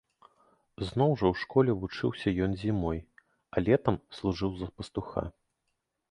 Зноў жа ў школе вучыўся ён зімой, а летам служыў за пастуха.